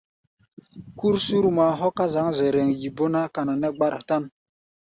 Kúr Surma hɔ́ ká zǎŋ Zɛrɛŋ, yi bó ná, kana nɛ́ gbára tán.